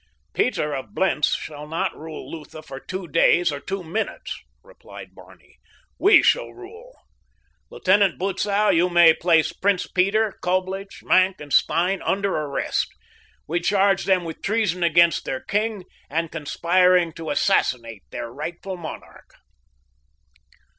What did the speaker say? "Peter of Blentz shall not rule Lutha for two days, or two minutes," replied Barney. "We shall rule. Lieutenant Butzow, you may place Prince Peter, Coblich, Maenck, and Stein under arrest. We charge them with treason against their king, and conspiring to assassinate their rightful monarch."